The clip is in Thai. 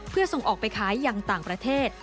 เพื่อส่งออกไปขายอย่างต่างประเทศ